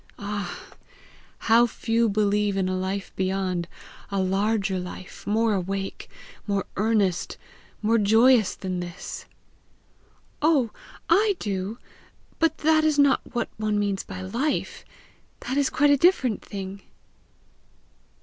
Ah, how few believe in a life beyond, a larger life, more awake, more earnest, more joyous than this!" "Oh, I do! but that is not what one means by LIFE; that is quite a different kind of thing!"